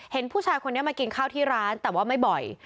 เห็นผู้ชายคนนี้มากินข้าวที่ร้านแต่ว่าไม่บ่อย